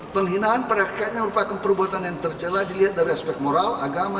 penghinaan pada rakyatnya merupakan perbuatan yang tercelah dilihat dari aspek moral agama